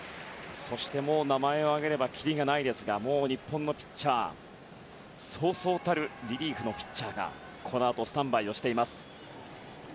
そして、名前を挙げればきりがないですが日本のピッチャーはそうそうたるリリーフのピッチャーがこのあとスタンバイをしています。